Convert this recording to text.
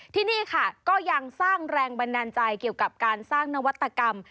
ที่นี่ค่ะก็ยังสร้างแรงบันดาลใจเกี่ยวกับการสร้างนวัตกรรม